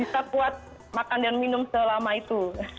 bisa buat makan dan minum selama itu